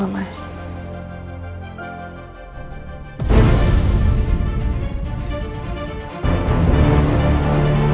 aku mau ke sana